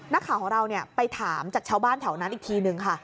นักข่าวของเราไปถามจากชาวบ้านแถวนั้นอีกทีนึงค่ะ